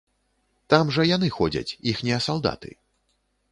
Там жа яны ходзяць, іхнія салдаты.